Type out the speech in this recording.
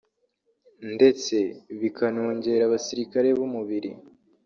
ndetse bikanongera abasirikare b’umubiri